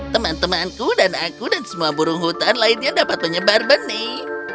teman temanku dan aku dan semua burung hutan lainnya dapat menyebar benih